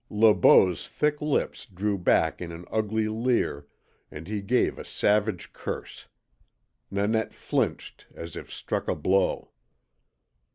Le Beau's thick lips drew back in an ugly leer, and he gave a savage curse. Nanette flinched as if struck a blow.